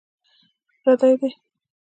پردي دي.